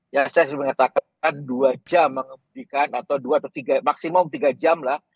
ya saya sudah mengatakan dua jam mengebudikan atau dua atau tiga maksimum tiga jam lah